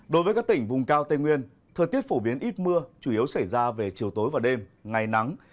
đối với các tỉnh vùng cao tây nguyên thời tiết phổ biến ít mưa chủ yếu xảy ra về chiều tối và đêm ngày nắng